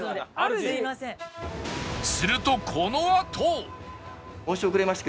するとこのあと！